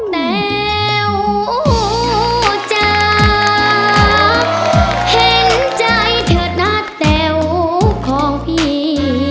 เต๋วจ๋าเห็นใจเถอะนะเต๋วของพี่